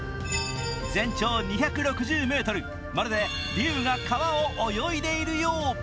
全長２６０ｍ、まるで龍が川を泳いでいるよう。